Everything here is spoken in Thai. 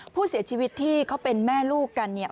ผู้เสียชีวิตที่เขาเป็นแม่ลูกกันเนี่ย